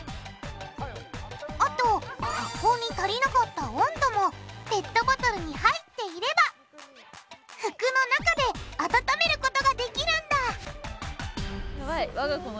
あと発酵に足りなかった温度もペットボトルに入っていれば服の中で温めることができるんだ！